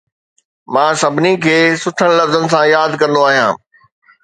مان سڀني کي سٺن لفظن سان ياد ڪندو آهيان